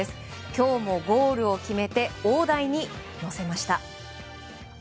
今日もゴールを決めて大台に乗せました。